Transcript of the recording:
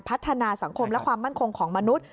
พัฒนาสังคมและความมั่นคงของมนุษย์